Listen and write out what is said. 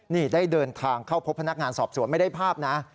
นี่ได้เดินทางเข้าพบพนักงานสอบสวนไม่ได้ภาพนะ